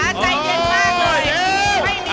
ใจเย็นมั้ย